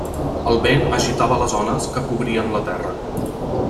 El vent agitava les ones que cobrien la terra.